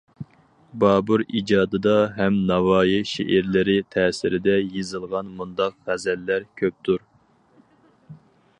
بابۇر ئىجادىدا ھەم ناۋايى شېئىرلىرى تەسىرىدە يېزىلغان مۇنداق غەزەللەر كۆپتۇر.